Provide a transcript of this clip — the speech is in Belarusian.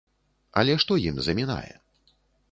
Але што ім замінае?